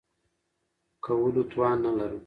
کولو توان نه لرم .